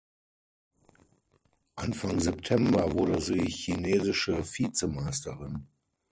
Anfang September wurde sie Chinesische Vizemeisterin.